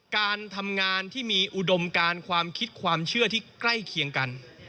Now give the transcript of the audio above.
การทำงานที่มีอุดมการความคิดความเชื่อที่ใกล้เคียงกัน